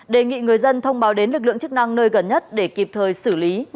đề nghị người dân thông báo đến lực lượng chức năng nơi gần nhất để kịp thời xử lý